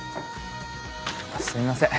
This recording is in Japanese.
すみません